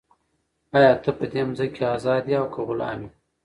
آیا ته په دې مځکه کې ازاد یې او که غلام یې؟